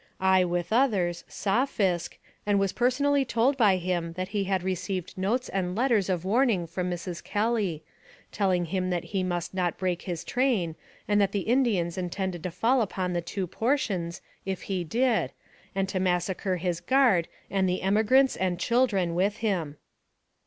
I, with others, saw Fisk, and was personally told by him that he had received notes and letters of warning from Mrs. Kelly, telling him that he must not break his train, that the Indians intended to fall upon the two portions, if he did, and to massacre his guard and the emigrants and children with him.